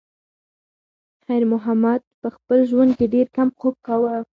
خیر محمد په خپل ژوند کې ډېر کم خوب کاوه.